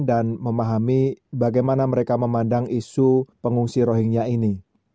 dan memahami bagaimana mereka memandang isu pengungsi rohingnya ini